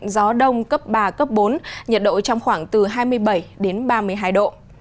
gió đông cấp ba bốn nhiệt độ trong khoảng từ hai mươi bảy ba mươi hai độ